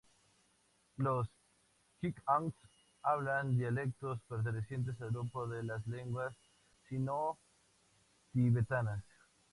Los qiang hablan dialectos pertenecientes al grupo de las lenguas sino-tibetanas.